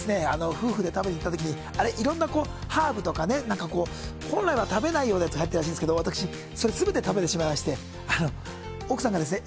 夫婦で食べに行った時にあれ色んなこうハーブとかねなんかこう本来は食べないようなやつが入ってるらしいんですけどわたくしそれすべて食べてしまいまして奥さんがですね